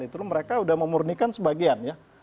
itu mereka sudah memurnikan sebagian ya